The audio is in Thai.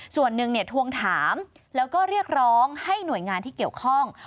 ส่วนหนึ่งทวงถามแล้วก็เรียกร้องให้หน่วยงานที่เกี่ยวข้อง